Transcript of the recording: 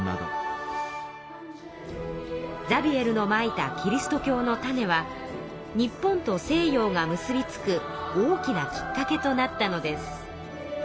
ザビエルのまいたキリスト教の種は日本と西洋が結びつく大きなきっかけとなったのです。